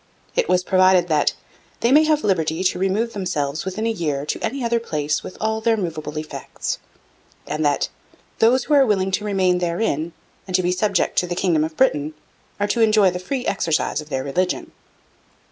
It was provided that 'they may have liberty to remove themselves within a year to any other place with all their movable effects'; and that 'those who are willing to remain therein and to be subject to the kingdom of Britain are to enjoy the free exercise of their religion.'